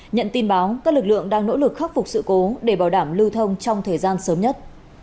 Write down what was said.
nhận tin báo các lực lượng đang nỗ lực khắc phục sự cố để bảo đảm lưu thông trong thời gian sớm nhất